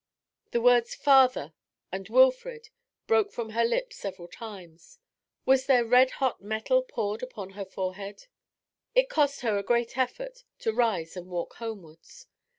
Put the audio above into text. The words 'Father' and 'Wilfrid' broke from her lips several times. Was there red hot metal poured upon her forehead? It cost her a great effort to rise and walk homewards.